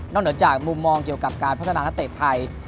เหนือจากมุมมองเกี่ยวกับการพัฒนานักเตะไทย